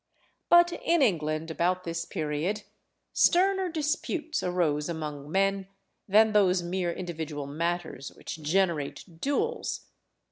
But in England, about this period, sterner disputes arose among men than those mere individual matters which generate duels.